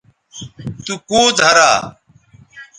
تو کوؤ دھرا